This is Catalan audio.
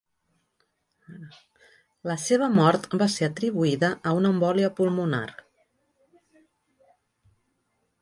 La seva mort va ser atribuïda a una embòlia pulmonar.